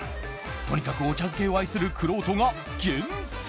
とにかくお茶漬けを愛するくろうとが厳選。